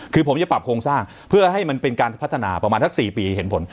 คือผมจะปรับโครงสร้างเพื่อให้มันเป็นการพัฒนาประมาณสัก๔ปีเห็นผล